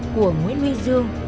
của nguyễn huy dương